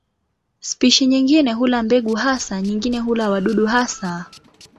Spishi nyingine hula mbegu hasa, nyingine hula wadudu hasa.